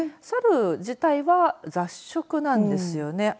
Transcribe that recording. サル自体は雑食なんですよね。